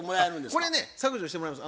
これね削除してもらえます。